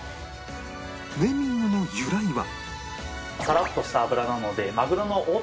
ネーミングの由来は